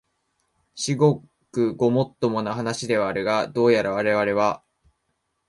至極ごもっともな話ではあるが、どうやらわれわれは、